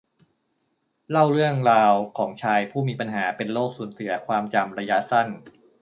เล่าเรื่องราวของชายผู้มีปัญหาเป็นโรคสูญเสียความจำระยะสั้น